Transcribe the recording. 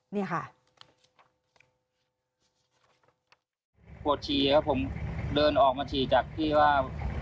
นี่ค่ะ